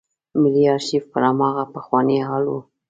ملي آرشیف پر هماغه پخواني حال و.